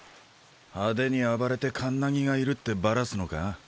派手に暴れてカンナギがいるってバラすのか？